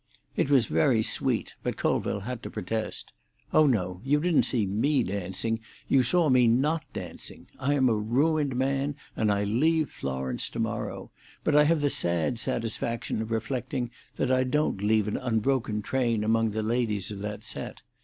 It was very sweet, but Colville had to protest. "Oh no; you didn't see me dancing; you saw me not dancing. I am a ruined man, and I leave Florence to morrow; but I have the sad satisfaction of reflecting that I don't leave an unbroken train among the ladies of that set.